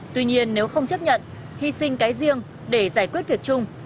tuy nhiên nếu không chấp nhận hy sinh cái riêng để giải quyết việc chung